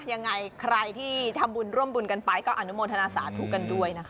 ยังไงใครที่ทำบุญร่วมบุญกันไปก็อนุโมทนาสาธุกันด้วยนะคะ